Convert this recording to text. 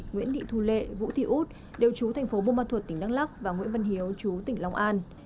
nguyễn thị thu lệ vũ thị út đều trú thành phố bô ma thuật tỉnh đắk lắc và nguyễn văn hiếu trú tỉnh long an